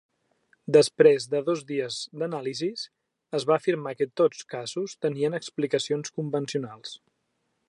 Després de dos dies d'anàlisis, es va afirmar que tots casos tenien explicacions convencionals.